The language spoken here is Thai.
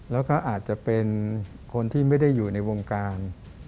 แล้วก็อาจจะเป็นคนที่ไม่ได้อยู่ในวงการ